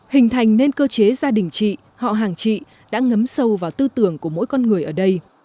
hình thành nên cơ chế gia đình chị họ hàng chị đã ngấm sâu vào tư tưởng của mỗi con người ở đây